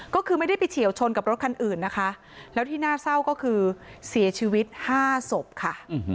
ก็คือไม่ได้ไปเฉียวชนกับรถคันอื่นนะคะแล้วที่น่าเศร้าก็คือเสียชีวิต๕ศพค่ะ